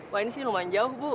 kira kira jauh apa enggak